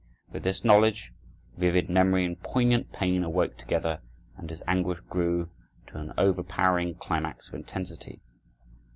With this knowledge, vivid memory and poignant pain awoke together, and his anguish grew to an overpowering climax of intensity.